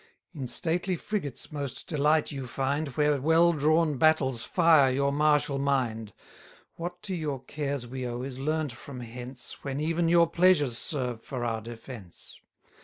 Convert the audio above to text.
In stately frigates most delight you find, Where well drawn battles fire your martial mind. What to your cares we owe, is learnt from hence, When even your pleasures serve for our defence.